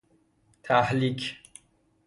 تهلیک